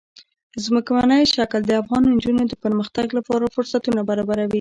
ځمکنی شکل د افغان نجونو د پرمختګ لپاره فرصتونه برابروي.